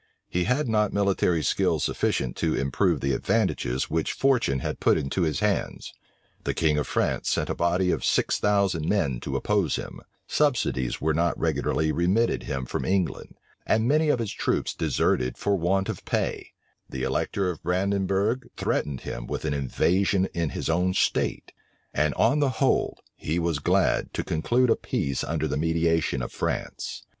He had not military skill sufficient to improve the advantages which fortune had put into his hands: the king of France sent a body of six thousand men to oppose him: subsidies were not regularly remitted him from England; and many of his troops deserted for want of pay: the elector of Brandenburgh threatened him with an invasion in his own state; and on the whole, he was glad to conclude a peace under the mediation of France.